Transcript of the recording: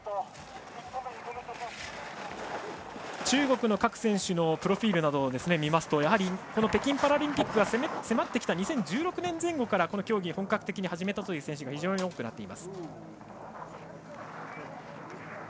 中国の各選手のプロフィールなど見ますとやはり、北京パラリンピックが迫ってきた２０１６年前後からこの競技を本格的に始めたという選手が非常に多くなっています。